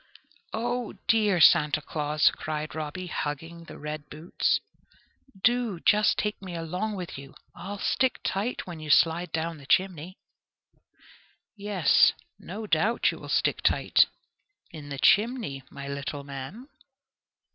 "O dear Santa Claus!" cried Robby, hugging the red boots, "do just take me along with you; I'll stick tight when you slide down the chimney." "Yes, no doubt you will stick tight in the chimney, my little man."